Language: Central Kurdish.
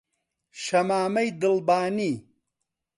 شەمامەی دڵبانی